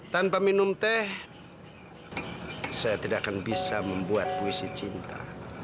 tanpa minum teh saya tidak akan bisa membuat puisi cinta